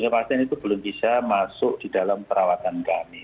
delapan puluh tujuh pasien itu belum bisa masuk di dalam perawatan kami